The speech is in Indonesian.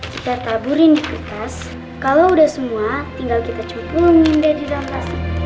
kita taburin di kertas kalau udah semua tinggal kita campurin dari dalam plastik